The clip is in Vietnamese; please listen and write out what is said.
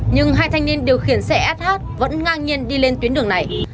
nhưng hai thanh niên điều khiển xe sh vẫn ngang nhiên đi lên tuyến đường này